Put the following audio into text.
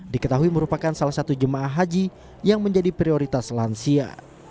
diketahui merupakan salah satu jemaah haji yang menjadi prioritas lansia